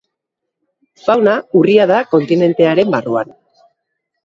Fauna urria da kontinentearen barruan.